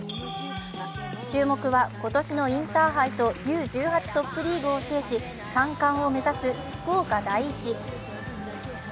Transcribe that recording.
注目は今年のインターハイとＵ１８トップリーグを制し、３冠を目指す福岡第一。